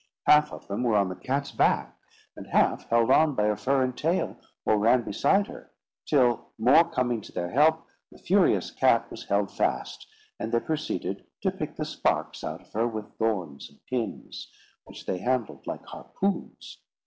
Half of them were on the cat's back, and half held on by her fur and tail, or ran beside her; till, more coming to their help, the furious cat was held fast; and they proceeded to pick the sparks out of her with thorns and pins, which they handled like harpoons.